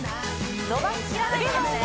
伸ばしきらないんですね